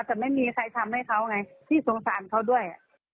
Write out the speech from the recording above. แต่ไม่มีใครทำให้เขาไงพี่สงสารเขาด้วย